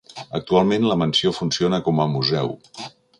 Actualment la mansió funciona com a museu.